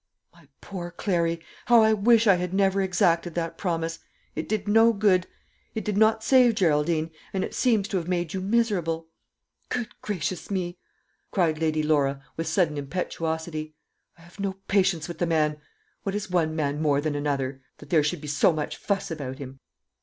"My poor Clary, how I wish I had never exacted that promise! It did no good; it did not save Geraldine, and it seems to have made you miserable. Good gracious me," cried Lady Laura with sudden impetuosity, "I have no patience with the man! What is one man more than another, that there should be so much fuss about him?"